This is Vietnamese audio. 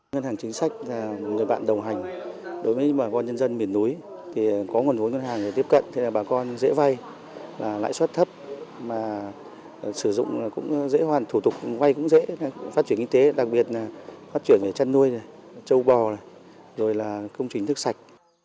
ngân hàng chính sách là người bạn đồng hành đối với bà con nhân dân miền núi có nguồn vốn ngân hàng tiếp cận bà con dễ vay lãi suất thấp sử dụng dễ hoàn thủ tục vay cũng dễ phát triển kinh tế đặc biệt phát triển chăn nuôi châu bò công trình thức sạch